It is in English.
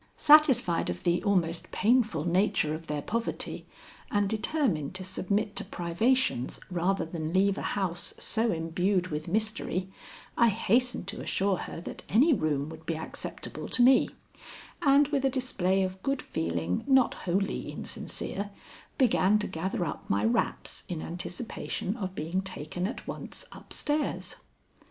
Satisfied of the almost painful nature of their poverty and determined to submit to privations rather than leave a house so imbued with mystery, I hastened to assure her that any room would be acceptable to me; and with a display of good feeling not wholly insincere, began to gather up my wraps in anticipation of being taken at once up stairs.